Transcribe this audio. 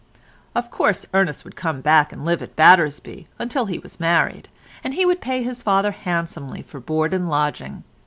Of course Ernest would come back and live at Battersby until he was married, and he would pay his father handsomely for board and lodging.